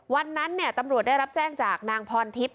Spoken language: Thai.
วันนั้นตำรวจได้รับแจ้งจากนางพรทิพย